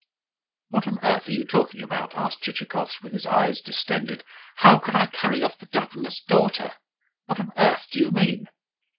'" "What on earth are you talking about?" asked Chichikov with his eyes distended. "HOW could I carry off the Governor's daughter? What on earth do you mean?"